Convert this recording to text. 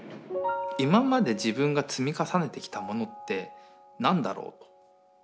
今まで自分が積み重ねてきたものって何だろうと。